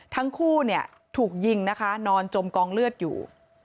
ทั้งคู่เนี่ยถูกยิงนะคะนอนจมกองเลือดอยู่